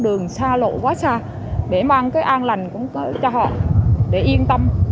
đường xa lộ quá xa để mang cái an lành cũng có cho họ để yên tâm